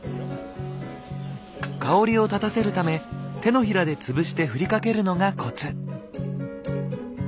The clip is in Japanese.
香りをたたせるため手のひらで潰して振りかけるのがコツ。